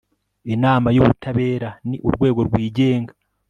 Inama y Ubutabera ni urwego rwigenga